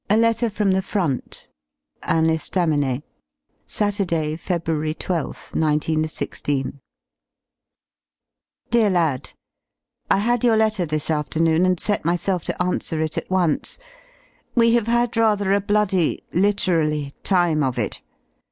A LETTER FROM THE FRONT An Estaminet •J^/wr^^^, Feb. I2th, 1916. Dear Lad, I had your letter this afternoon and set myself to answer it at once. We have had rather a bloody — literally — time of it.